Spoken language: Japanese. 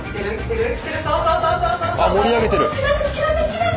あ盛り上げてる！